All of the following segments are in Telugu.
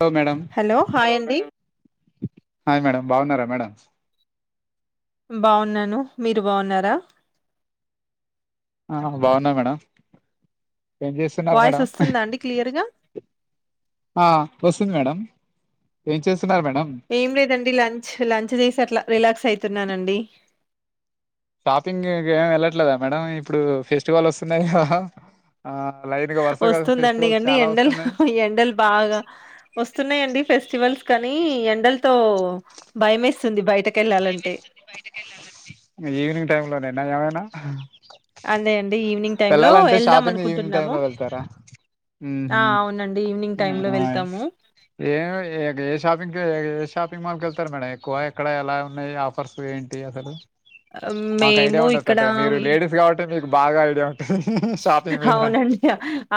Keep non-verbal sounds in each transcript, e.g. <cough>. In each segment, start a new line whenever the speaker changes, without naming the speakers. హలో మేడం
హలో హాయ్ అండి.
హాయ్ మేడమ్ బాగున్నారా మేడం.
బాగున్నాను మీరు బాగున్నారా.
ఆహ్ బాగున్నా మేడం. ఏం చేస్తున్నారు
వాయిస్
మేడం
వస్తుందా అండి క్లియర్గా.
ఆహ్ వస్తుంది మేడం ఏం చేస్తు.
ఏం లేదండి లంచ్ లంచ్ చేసి. అట్లా రిలాక్స్ అయితున్నానండి.
షాపింగ్ ఏమి వెళ్ళట్లేదా మేడం. ఇప్పుడు ఫెస్టివల్ వస్తున్నాయి కదా. ఆ లైన్ గా వరుసగా
వస్తుందండి
ఫెస్టివల్స్
కానీ
చాలా
ఎండలు
వస్తున్నాయి
ఎండలు బాగా వస్తున్నాయండి ఫెస్టివల్స్. కానీ ఎండలతో భయమేస్తుంది బయటకు.
ఈవినింగ్ టైం లోనేన్న ఏమైనా. ఆహ్.
అదే అండి ఈవినింగ్. టైమ్ లో
వేళ్ళాలంటే
వెళ్దాం
షాపింగ్ ఈవినింగ్ టైమ్
అనుకుంటున్నాము
లో వెళ్తారా ఉమ్
ఆ అవునండి ఈవినింగ్
ఉమ్
టైమ్ లో వెళ్తాము
ఏ ఏ షాపింగ్ ఏ షాపింగ్ షాపింగ్ సిమాల్ క వెళ్తార మేడం ఎక్కువ ఎక్కడ ఎలా ఉన్నాయి ఆఫర్స్ ఏంటి అసలు. మాకు ఐడియా
మేము
ఉండదు
ఇక్కడ.
పెద్దగా మీరు లేడీస్ కాబట్టి మీకు బాగా ఐడియా. ఉంటుంది షాపింగ్ మీద
అవునండి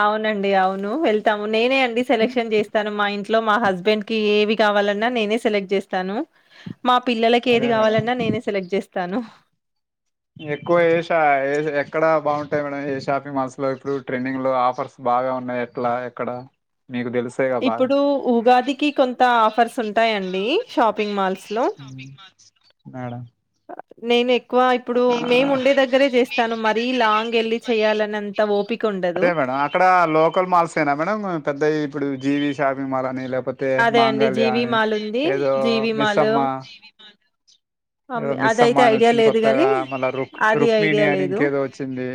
అవునండి అవును వెళ్. తమ్ నేనే. నేనె సెలెక్షన్ చేస్తాను మా ఇంట్లో. ట్లో మా హస్బెండ్ కి ఏవి కావాలన్నా నేనే సెలెక్ట్ చేస్తాను. మా పిల్లలకి
అదే
ఏది
మేడం
కావాలన్నా నేనే సెక్ట్ చేస్తా. తను.
ఎక్కువ ఏ ష ఏ ఎక్కడ బాగుంటాయి మేడం ఏ షాపింగ్ మాల్ లో ఇప్పుడు ట్రెండింగ్ లో ఆఫర్స్ బాగా ఉన్నాయి ఎట్లా ఎక్కడ. మీకు తెలిసేగా బాగా
ఇప్పుడు ఉగాదికి కొంత ఆఫర్స్ ఉంటాయండి షాపింగ్ మాల్స్ లో
లో మేడం
నేనే ఎక్కువ ఇప్పుడు
ఆ
మేము ఉండే దగ్గరే చేస్తాను మరీ లాంగ్ వెళ్ళి చేయాలనంత ఓపిక ఉండదు
అదే మేడం అక్కడ జీవిషాపింగ్ మాల్ అని లేప్ పోతే
అదే అండి
మాంగళ్యా
జీవి
అని
మాల్ ఉంది.
ఏదో
జీవి మాల్
మిస్సమ్మ
అమ్
ఏదో
అదైతే
మిస్సమ్మ అని
ఐడియా
వచ్చింది
లేదు గానీ
కొత్తగా మళ్ళా రుక్
అది ఐడియా
రుక్మిణి అని
లేదు.
ఇంకేదో వచ్చింది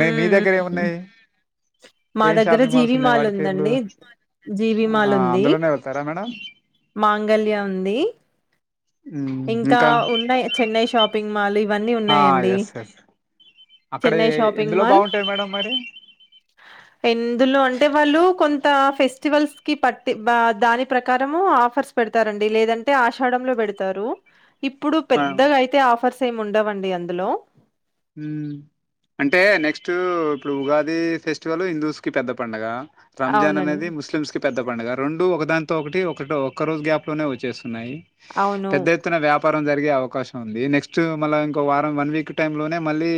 మీ మీ దగ్గర
హ్మ్. హ్మ్.
ఏమున్నాయి
మా
ఏం
దగ్గర
షాపింగ్ మాల్స్ ఉన్నాయి
జీవిమాల్
వాటి పేర్లు
ఉందండి
ఆ
జీవిమాల్ ఉంది
అందులోనే వెళ్తారా మేడం
మాంగళ్యా ఉంది ఇంకా ఉన్నాయి చెన్నై షాపింగ్ మాల్ ఇవన్నీ
ఆ
ఉన్నాయండి.
ఎస్ ఎస్ అక్కడ
చెన్నై షాపింగ్
ఎందులో
మాల్
బాగుంటాయి మేడం మరి
ఎందులో అంటే వాళ్ళు కొంత ఫెస్టివల్స్ కి పట్టి దాని ప్రకారము ఆఫర్స్ పెడతారండి లేదంటే ఆషాఢంలో పెడత తరు ఇప్పుడు
ఆ
పెద్దగా అయితే ఆఫర్స్ ఎ ము ఉండవండి అందులో
ఉం అంటే నెక్స్ట్ ఇప్పుడు ఉగాది ఫెస్టివల్ హిందూస్ కి పెద్ద పండగ రంజాన్ అనేది
అవునండి
ముస్లిమ్స్ కి పెద్ద పండుగ రెండు ఒక దానితో ఒకటి ఒకటి ఒక్క రోజు గ్యాప్ లోనే వచ్చేస్తున్నాయి
అవును
పెద్ద ఎత్తున వ్యాపారం జరిగే అవకాశం ఉంది నెక్స్ట్ మళ్ల ఇంకో వారం వన్ వీక్ టైమ్ లోనే మళ్ళీ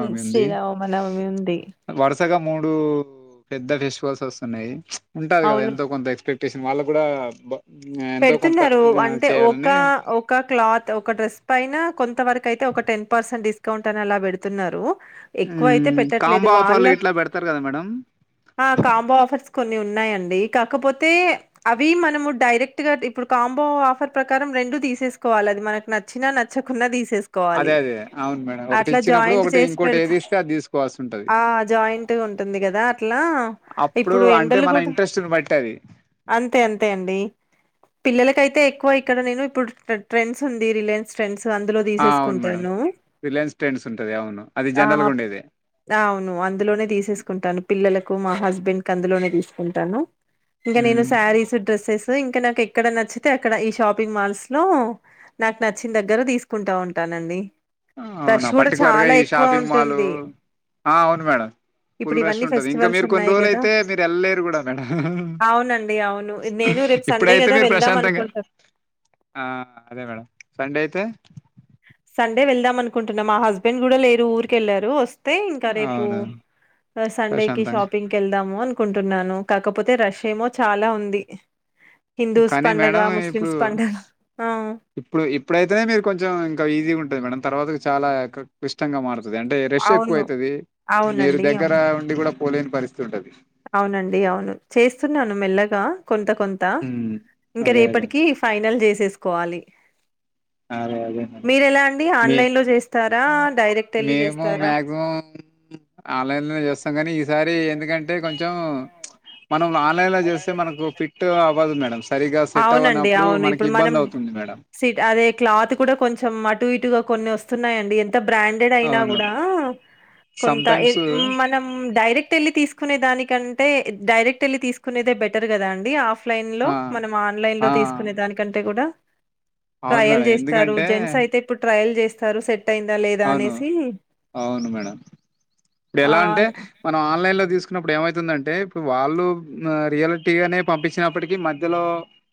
హ్మ్.
ఉంది
శ్రీరామనవమి ఉంది.
వరుసగా మూడు పెద్ద డిశ్వాషెస్ ఉన్నాయి ఉంటాది కదా
అవును
ఎంతో కొంత ఎక్సపె క్టేషన్ వాళ్ళ కూడా బ ఎంతో కొంత
పెడుతున్నారు
ఆ,
అంటే ఒక
చేయాలని
ఒక క్లాత్ ఒక డ్రెస్ పైన కొంతవరకు అయితే ఒక టెన్ పర్సెంట్ డిస్కౌంట్ అని అలా పెడుతున్నారు ఎక్కువయితే
మ్మ్,
పెట్టట్లేదు
కాంబో
వాళ్ళ
ఆఫర్లు ఇట్లా పెడతారు కదా మేడం
ఆ కాంబో ఆఫర్స్ కొన్ని ఉన్నాయండి కాకపోతే అవి మనము డైరె క్ట్ గా ఇప్పుడు కాంబో ఆఫర్ ప్రకారం రెండు తీసేసుకోవాలి అది మనకు నచ్చినా నచ్చకున్నా తీస్ తీస్ కోవాలి
అదే అదే అవును మేడం ఒకటి
అట్లా
ఇచ్చినప్పుడు
జాయింట్
ఒకటి
చేసి
ఇంకోటి
పెడత
ఏది ఇస్తే అది తీసుకోవాల్సి ఉంటది
ఆ జాయింట్ ఉంటుంది కదా అట్లా
అప్పుడు
ఇప్పుడు
అంటే
ఎండలు
మన
కూడా
ఇంట్రెస్ట్ని బట్టి అది
అంతే అంతే అండి పిల్లలకైతే ఎక్కువ ఇక్కడ నేను ఇప్పుడు ట్రెండ్స్ ఉంది రిలయన్స్ ట్రెండ్స్ అందులో
ఆ అవును మేడం
తీసేసుకుంటాను
రిలయన్స్ ట్రెండ్స్ ఉంటది అవును అది
ఆ
జనరల్గా ఉండేది
అవును అందులోనే తీసేసుకుంటాను పిల్లలకి మా హస్బెండ్ కి అందులోనే తీసుకుంటాను ఇంకా నేను
మ్మ్.
సారీస్ డ్రెస్సెస్ ఇంకా నాకు ఎక్కడ నచ్చితే అక్కడ ఈ షాపింగ్ మాల్స్ లో నాకు నచ్చిన దగ్గర తీసుకుంటా ఉంటానండి
అవునా
రష్ కూడా
పర్టికులర్గా
చాలా
ఈ
ఎక్కువ
షాపింగ్ మాల్
ఉంటుంది
ఆ అవును మేడం
ఇప్పుడు
ఫుల్ రష్
ఇవన్నీ
ఉంటది ఇంకా
ఫెస్టివల్స్
మీరు కొన్ని
ఉన్నాయి
రోజులు
కదా
అయితే మీరు వెళ్ళలేరు కూడా మేడం
అవునండి అవును నేను రేపు సండే
ఇప్పుడైతే
కదా
మీరు
వెళ్దాం
ప్రశాంతంగా
అనుకుంటున్నా
ఆ అదే మేడం సండే అయితే తే
సండే వెళ్దాం అనుకుంటున్నా మా హస్బెండ్ కూడా లేరు ఊరికి వెళ్ళారు వస్ తే ఇంకా రేపు
అవును
సండే కి
ప్రశాంతంగా
షాపింగ్కి వెళ్దాము అన్ కుంటున్నాను కాకపోతే రష్ ఏమో చాలా ఉంది హిందూస్
కానీ
పండగ
మేడం ఇప్పుడు
ముస్లిమ్స్ పండగ ఆ
ఇప్పుడు ఇప్పుడైతేనే మీరు కొంచెం ఇంకా ఈజీగా ఉంటు మేడం తర్వాత చాలా క్లిష్టంగా మారుత ది అంటే రిష్ ఎక్కువ
అవును
అవుతుది మీరు
అవునండి
దగ్గర
అవును
ఉండి కూడా పోలేని పరిస్థితి అది
అవునండి అవును చేస్తున్నాను మెల్లగా. కొంత కొంత ఇంకా
అదే అదే
రేపటికి ఫైనల్ చేసేసి కోవాలి
అదే అదే మేడం మే
ఆన్లైన్ లో చేస్తారా డైరెక్ట్ వెళ్ళి
మేము
చేస్తారా
మాక్సిమం ఆన్లైన్ లోనే చేస్తాం కాని ఈసారి ఎందుకంటే కొంచం. చెం మన మాల్ ఆన్లై లో చేస్తే మనకు ఫిట్ గా అవ్వదు మేడమ్స్ సరిగా సెట్
అవునండి
అవ్వనప్పుడు
అవును
మనకి
ఇప్పుడు
ఇబ్బంది
మనం
అవుతుంది మేడం.
సిట్ అదే క్లాత్ కూడా కొంచం అటు ఇటుగా కొన్ని వస్ తున్నాయి అండి ఎంత బ్యాడ్ అయినా
అవును.
కూడా కొంత
సమ్‌టైమ్స్
మనం డైరెక్ట్ వెళ్ళి తీసు. కునే దానికంటే డైరెక్ట్ వెళ్లి తీసుకునేదే బెటర్ కదా అండి ఆఫ్. అఫ్ లైన్లో
ఆ!
మనం ఆన్లైన్ లో
ఆ!
తీసుకునే దానికంటే కూడా.
అవును
ట్రయల్
మేడం.
చేస్తారు
ఎందుకంటే
జెంట్స్ అయితే ఇప్పుడు ట్రయల్ చేస్ సరు సెట్ అయిందా లేదా
అవును
అనేసి
అవును మేడం ఇప్పుడు
ఆ
ఎలా అంటే మనం ఆన్లైన్ లో తీసు కున్నప్పుడు ఏమైతుందంటే ఇప్పుడు వాళ్ళు రియాలిటీగానే పంపించినప్పటికి మధ్యలో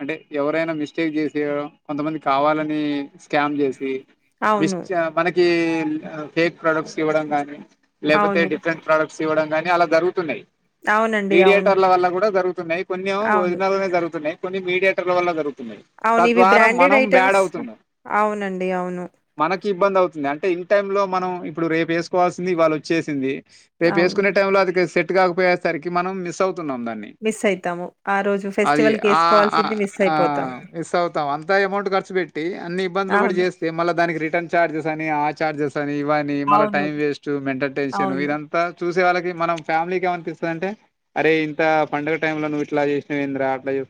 అంటే ఎవరైనా మిస్టేక్ చేసి కొంతమంది కావాలని స్కామ్ చేసి. మిస్
అవును
చ మనకి. ఈ ఫేక్ ప్రొడక్ట్స్ ఇవ్వడం కానీ. లేపోతే
అవును
డిఫరెంట్ ప్రొడక్ట్స్ ఇవ్వడం కానీ. అలా జరుగుతున్నాయి
అవునండి అవును
మీడియటర్ల వల్ల కూడా జరుగుతున్నాయి, కొన్ని
అవును
ఒరిజినల్ జరుగుతున్నాయి. కొన్ని మీడియాటర్ వల్ల జరుగు.
అవును ఇవి
తద్వారా
బ్రాండెడ్
మనం బ్యాడ్
ఐటమ్స్
అవుతున్నాం.
అవునండి అవును
మనకి ఇబ్బంది అవుతుంది. అంటే ఇన్ టై లో మనం ఇప్పుడు రేపు వేసుకోవాల్సింది ఇవాళ వచ్చేసింది. రేపు
అవును
వేసుకునే టైమ్ లో అది సెట్. కాకపోయేసరికి మనం మిస్ అవుతు.
మిస్ అయితాము. ఆ రోజు
అది
ఫెస్టివల్ కి వేసుకోవాల్సింది మిస్ అయిపోతాము.
అంత ఎమౌట్ ఖర్చు బెట్టి అన్ని ఇబ్బందులు పడి
అవును.
చేస్తే మళ్ళా దానికి రిటర్న్ చార్జె అన్ని ఆ చార్జ్ ఇవన్నీ మళ్ళా
అవును.
టైం వేస్ట్ మెంటల్ టెన్షన్
అవును.
ఇదంతా చూ చూసే వాళ్ళకి మనం ఫ్యామిలీకి ఏమన్నా తెలుస్తుంద అంటే అరే ఇంత పంగ టైంలో నువ్ ఇలా చేసినవెందరా అట్లావు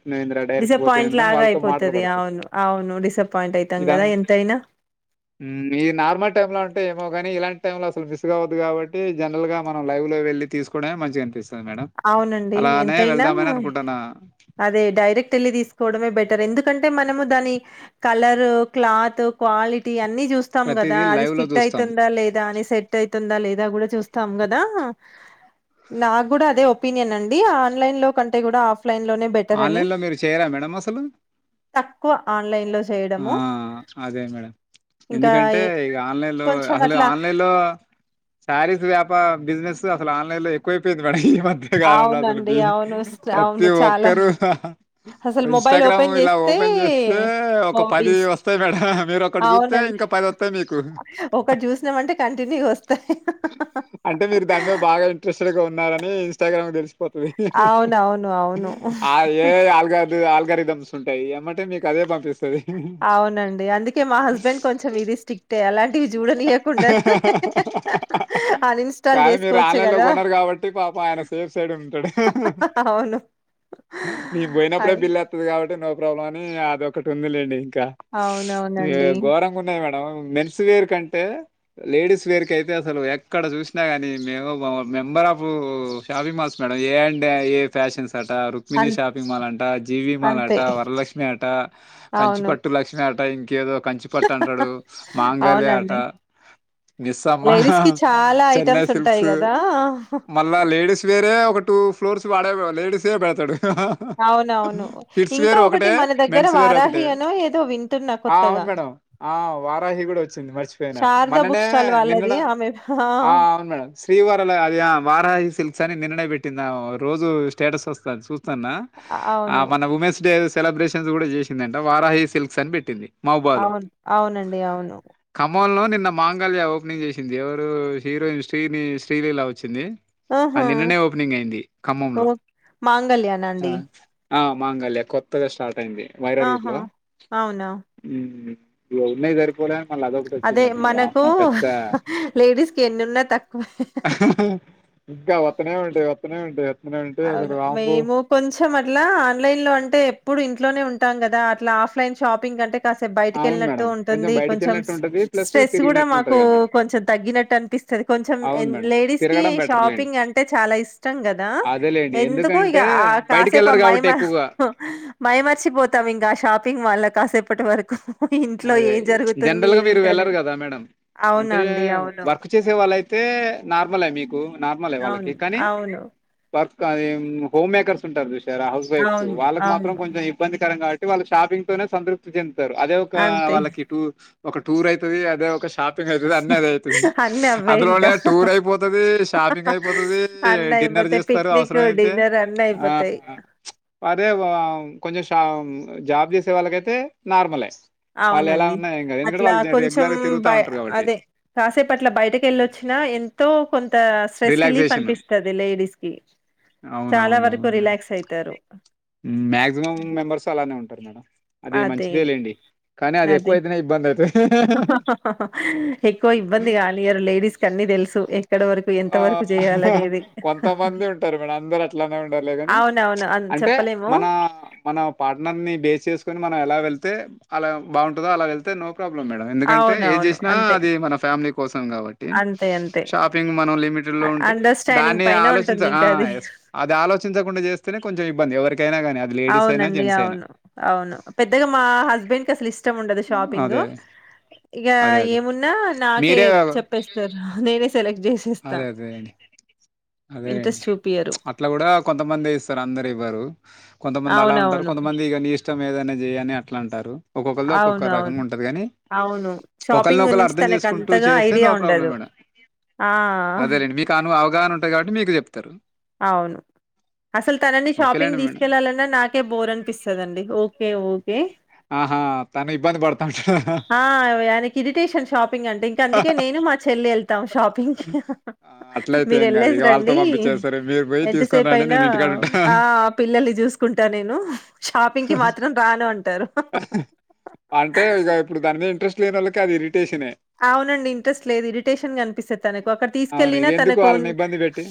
డిసప్పాయింట్ లాగా అయిపోతుది
పడతది.
అవును అవును డిసప్పాయింట్ అవుతాం కదా ఎంతయినా.
ఇది నార్మల్ టైమ్ంలో అంటే ఏమో కాని ఇలాంటి టైమ్ంలో అసలు మిస్గావద్దు కాబట్టి జనరల్గా మనం లైవ్ లో వెళ్లి తీసుకోడమే మంచిగా అపిస్తుంది. మేడం
అవునండి.
అలానే
ఎంతైనా
వెళ్దామని అనుకుంటున్నా.
అదే డైరెక్ట్ వెళ్ళి తీసుకోవడమే బెటర్ ఎందుకంటే మ దాని కలర్ క్లాత్ క్వాలిటీ అన్ని చూస్తాం కదా.
ప్రతీదీ
అది
లైవ్‌లో
ఫిట్
చూస్తాం.
అవుతుందా లేదా, అని సెట్ అవుతుందా లేదా అ కూడా చూస్తాం కదా నాకు కూడా అదే ఒ ఒపీనియన్ అండి ఆన్లైన్ లో కంటే కూడా ఆఫ్ లన్ లోనే బెటర్ అని
ఆన్‌లైన్‌లో మీరు చేయరా మేడం అసలు?
తక్కువ ఆన్లైన్ లో
ఆ అదే మేడం
ఇంకా
ఎందుకంటే
ఏ
ఇ ఆన్లైన్ లో
కొంచెం
అసలు
అట్లా
ఆన్లైన్ లో శారీస్ వ్యాప బిజినెస్ అసలు ఆన్లైన్లో ఎక్కువ అయిపోయింది మేడం. హహ్ మధ్య కాలంలో అసలు
అవునండి
బి
అవును స్
ప్రతి
అవును చాలా
ఒక్కరు హహ్
అసలు మొబైల్
ఇన్స్టాగ్రామ్ ఇలా ఓపెన్ చేస్తే
బీన్స్
వస్తాయి మేడం. మీరొకటి చూస్తే
అవునండి
ఇంకా వస్తాయి మీకు.
ఒకటి చూసినామంటే కంటిన్యూ వస్తాయి.
అంటే మీరు దాని మీద
హ్హ్హ్
బాగా ఇంట్రెస్టెడ్‌గా ఉన్నారని ఇన్స్టాగ్రామ్ తెలు పోతు హహ్
అవునవును అవును
ఆ ఏ అల్గ ఆల్గరిదమ్స్ ఉంటాయి. ఏమంటే మీకు అదే పంపిస్తది.
అవునండి అందుకే మా హస్బెండ్ కొంచెం ఇది స్టిక్ట్ అలాంటివి చూడనీయ్వకుండా హ్హ్హ్ అన్ఇన్స్టాల్
కానీ మీరు
చేసుకోవచ్చు
ఆన్‌లైన్‌లో
కదా
కొనరు కాబట్టి పాపం ఆయన సేఫ్ సైడ్ ఉంటాడు.
హ్హ్హ్ అవును అ
ప్రాబ్లం అని అది ఒకటి ఉందిలేండి. ఇంకా ఈ
అవునవునండి
ఘోరంగా ఉన్నాయి మేడం అమ్... మెన్స్ వేర్ కంటే లేడీస్ వేర్ కయితే అసలు ఎక్కడ చూసినా గాని ఏమొబాబు member of shopping malls madam ఏ అండ్ ఐ ఎ ఫ్యాషన్స్ ఆట
అ
రుక్మిణి షాపింగ్ మాల్ అట జీవి మాల్
అంతే
ఆట వరలక్ష్మి ఆట
అవును
కంచిపట్ <unintelligible> ఇంకేదో కంచి పట్టు అంటడు మాంగల్యా ఆట
అవునండి
మిస్సమ్మ
లేడీస్ కి చాలా
చెన్నై
ఐటమ్స్ ఉంటాయి
సిల్క్స్
కదా
మళ్ళా లేడీస్ వేరే ఒక టు ఫ్లోర్స్ వాడే లేడీస్ వే పెడతాడు
అవునవును
కిడ్స్
ఇంకా
వేర్
ఒకటి
ఒకటే
మన దగ్గర
మెన్స్ వేర్ ఒకటే
వారాహి అనో ఏదో వింటున్నా
ఆ అవును
కొత్తగా
మేడం ఆ వారాహి కూడా వచ్చింది మర్చిపోయిన
శారదా బుక్
మొన్ననే
స్టాల్ వాళ్ళది
నినన్న
ఆమె
ఆ అవును మేడం శ్రీవారాల అది వారాహి సిల్క్ కాని నిన్న నె పెట్టిందామె రోజూ స్టేటస్ వస్తాది చూస్తు స్తన్న
అవును
మొన్న ఉమెన్స్ డే సెలబ్రేషన్స్ కూడా చేసిందంట వారాహి సిల్క్ ల్క్స్అని పెట్టింది
అవును అవునండి అవును
మొన్నొ నిన్న మాంగళ్యా ఓపెనింగ్ చేసింది ఎవరు హీరోయిన్ శ్రీని శ్రీలీలా వచ్చింది ఆ
ఆహా
నిన్ననే ఓపెనింగ్ అయింది
ఓ
ఖమ్మంలో
మాంగళ్యానా
ఆ
అండి
ఆ మాంగళ్యా కొత్తగా స్టార్ట్ అయింది వైరా రూట్
ఆహా
లో
అవునా
మ్ ఉన్నాయి సరిపోడా మళ్ళ అదొకటి
అదే
వచ్చింది
మనకు
<unintelligible> పెద్ద
లేడీస్ కి ఎన్నున్నా తక్కువే
ఇంకా వత్తనే ఉంటాయి వత్తనే ఉంటాయ్
అవును మేము కొంచెం అట్లా ఆన్లైన్ లో అంటే ఎప్పుడు ఇంట్లోనే ఉంటాం కదా అట్లా ఆఫ్ లైన్ షాపింగ్ అంటే కాసేపు బయటకి
అవును
వెళ్ళినట్టు
మేడం
ఉంటుంది
బయటికి
కొంచెం
వెళ్ళినట్టు ఉంటది ప్లస్
స్ట్రెస్ కూడా
తిరిగినట్టు ఉంటది
మాకు
కదా మేడం
కొంచెం తగ్గినట్టు అనిపిస్తది కొంచెం
అవును మేడం
లేడీస్ కి
తిరగడం బెటర్ లేండి
షాపింగ్ అంటే చాలా ఇష్టం కదా
అదేలేండి
ఎందుకు ఇక
ఎందుకంటే
ఆ
బయటికి
కాసేపు అ
వెళ్లరు
మైమ
కాబట్టి ఎక్కువగా
మైమరిచిపోతం ఇంక షాపింగ్ మాల్లో కాసేప టి వరకు ఇంట్లో
అదే
ఏం జరుగుతుంది
జనరల్గా మీరు
ఏంటని
వెళ్లరు కదా మేడం అంటే
అవునండి అవును
వర్క్ చేసే వాళ్ళ అయితే నార్మలె మీకు నార్మలె వాళ్ళకి
అవును
కాని
అవును
వర్క్ కానీ హోమ్ మేకర్స్ ఉంటారు చసార రా హౌస్ వైఫ్స్
అవును
వాళ్ళకి మాత్రం
అవును
కొంచెం ఇబ్బందికరం గా వాళ్ళు షాపింగ్ తోనే సంతప్తి చెందుతారు ఇంకా
అంతే
వాళ్ళకి టూ ఒక టూర్ అయితది అదే ఒక షాప్ అన్నీ అదే అయితది
అన్ని అవే ఇంకా
అందులోనే టూరయిపోతది షాపింగ్ అయిపోతది
అన్ని
డిన్నర్
అయిపోతాయి
చేస్తారు
పిక్నిక్
అవసరమైతే
డిన్నర్ అన్ని అయిపోతాయి
అదే కొంచెం అ అ ఆ జాబ్ చేసే వాళ్ళకైతే నార్మలే వాళ్ళు ఎలా
అవునండి
ఉన్నా ఏం కాదు ఎందుకంటే
అట్లా
వాళ్ళు
కొంచెం
రెగ్యులర్ గా
బ
తిరుగుతా ఉంటారు కాబట్టి
అదే కాసేపు అట్లా బయటకి వెళ్ళొచ్చినా ఎంతో కొంత స్ట్రెస్ రిలీఫ్
రిలాక్సేషన్
అనిపిస్తుంది లేడీస్ కి చాలా వరకు
అవునవునవును
రిలాక్స్ అయితారు
మేడం మాక్సిమం మెంబర్స్ అలానే ఉంటారు మేడం అది
అదే
మంచిదే లేండి కానీ అది
అదే
ఎక్కువ ఐతేనె ఇబందయితది
ఎక్కువ ఇబ్బంది గానీయరు లేడస్ క అన్ని తెలుసు ఎక్కడ వరకు ఎంత
ఆ
వరకు చేయాలనేది
కొంతమంది ఉంటారు మేడ అందరు అట్లానే ఉండరులేగాని
అవునవును అ
అంటే
చెప్పలేము
మన మన పార్టనర్స్ నీ బేస్ చేసుకుని మనం ఎలా వెళ్త తే అలా బాగుంటందో అలా వెళ్తే నో ప్రాబ్లమ్ మేడం ఎందుకంటే ఏది
అవునవును
చేసినా
అంతే
అది మన ఫ్యామిలీ కోసం కాబట్టి
అంతే అంతే
షాపింగ్ మనం లిమిటెడ్ లో ఉంటే
అండర్స్టాండింగ్
దాన్ని
పైన
ఆలోచించ
ఉంటుంది
ఆ
ఇంకా అది
ఎస్ అది ఆలోచించకుండా చేస్తేనే కొంచెం ఎవర్ బంది
అవునండి అవును అవును పెద్దగా మా హస్బెండ్ కి అసలు ఇష్టం ఉండదు షాపింగ్
అదే.
ఇగా
అదే అదే.
ఏమున్నా నాకే
మీరే
చెప్పేస్తారు నేనే సెలెక్ట్ చే
అదే అదే అండి అదేనండి
ఇంట్రెస్ట్ చూపియరు
అట్లా కూడా కొంతమంది ఇస్తారు అందరు ఇవ్వరు కొంతమంది అలా ఉంటారు
అవునవును
కొంతమంది ఇగ నీ ఇష్టం ఏదనేది చేయనీ అట్లా అంటారు ఒక్కొక్కళ్ళది
అవును
ఒక్కొక్క
అవును
రకంగా ఉంటది గానీ
అవును షాపింగ్
ఒకరినొకరు
గురించి
అర్థం
తనకు
చేసుకుంటూ
అంతగా
చేస్తే
ఐడియా
నో ప్రాబ్లం
ఉండదు
మేడం అదేలేండి మీకును అవగాహన ఉంటాయి కాబట్టి మీకు చెప్ ఉత్త
అవును అసలు తనని
ఓకేలేండి
షాపింగ్
మేడం
తీసుకెళ్ళాలన్నా నాకే బోర్ అనిపిస్తదండి ఓకే ఒకే ఓకే
ఆహా తను ఇబ్బంది పడుతుంటా
ఆ ఆయనకి ఇడరీటేషన్ షాపింగ్ అంటే ఇంక అందుకే నేను మా చెల్లి వెళ్తాం షాపింగ్కి
అట్లయితే
మీరు
ఏం కాదు
వెళ్ళసి
ఇక వాళ్ళతో
రండి
పంపించేస్తారు మీరు పోయి తీసుకొని
ఎంతసేపు
రండి
అయినా
నేను ఇంటికాడ ఉంటా
ఆ పిల్లల్ని చూసుకుంటా నేను షాపింగ్ కి మాత్రం రాను అంటా
హా హా అంటే ఇక ఇప్పుడు దానిమీద ఇంట్రెస్ట్ లేనిఓళ్ళు కదిరి
అవునండి ఇంట్రెస్ట్ లేదు ఇరిటేషన్గా కనిపిస్తంది తనకు అక్కడ
అవును
తీసుకెళ్లిిన
ఇక ఎందుకు
తనకు
వాళ్ళని ఇబ్బంది పెట్టి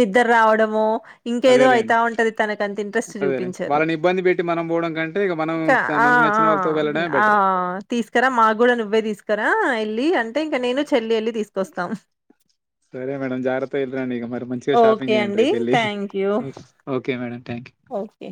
నిద్ర రావడమో ఇంకేదో
అదేలేండి
అయితా ఉంటది తనకు అంత ఇంట్రెస్ట్
అదేలేండి
చూపించారు
వాళ్ళని ఇబ్బంది పెట్టి మనం పోవడం కంటే ఇక మనం
ఇంకా
త-
ఆ
మనకు నచ్చిన వాళ్ళతో వెళ్ళడమే
ఆ
బెటర్
తీసుకరాా మాకు కూడాూ నువ్వే తీసుకురా గా ఇల్లి అంటే ఇంకా నేను చే చెల్లి వెళ్ళి తీసుకొస్తాం
సరే మేడం జాగ్రత్తగ ఏళ్ళిరండి ఇగ మరి మంచిగా షాపింగ్
ఓకే
చేయ్యం
అండి
రీపు వెళ్లి
thank you
okay madam thank
okay